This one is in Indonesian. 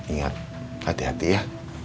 ingat hati hati ya